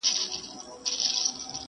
جوړه انګورو څه پیاله ستایمه..